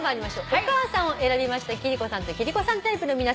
「お母さん」を選びました貴理子さんと貴理子さんタイプの皆さん